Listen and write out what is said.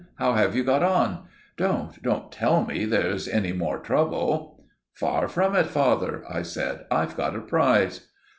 How have you got on? Don't—don't tell me there's any more trouble!" "Far from it, father," I said. "I've got a prize."